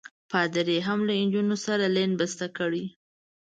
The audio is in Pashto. پادري هم له نجونو سره لین بسته کړی.